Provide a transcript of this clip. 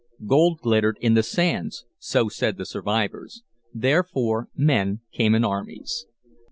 Gold glittered in the sands, so said the survivors; therefore men came in armies.